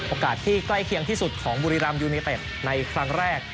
โอกาสที่ใกล้เคียงที่สุดของบุรีรัมยูเนเต็ดในครั้งแรก